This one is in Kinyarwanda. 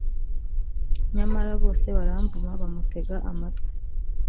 nyamara bose baramvuma bamutega amatwi